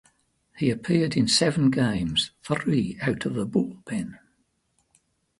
He appeared in seven games, three out of the bullpen.